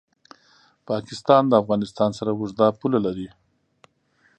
پاکستان د افغانستان سره اوږده پوله لري.